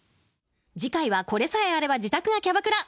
「次回はこれさえあれば自宅がキャバクラ！」